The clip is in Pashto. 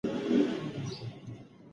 د بل حق مه خورئ.